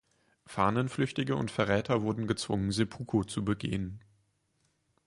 Fahnenflüchtige und Verräter wurden gezwungen, Seppuku zu begehen.